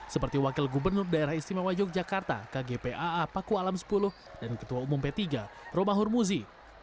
seperti wakil gubernur daerah istimewa yogyakarta kgpaa paku alam sepuluh dan ketua umum p tiga romahur muzi